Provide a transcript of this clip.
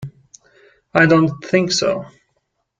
I don't think so.